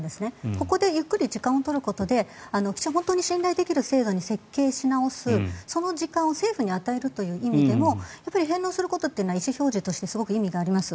ここでゆっくり時間を取ることで本当に信頼できる制度に設計し直す、その時間を政府に与えるという意味でも返納することは意思表示としてすごく意味があります。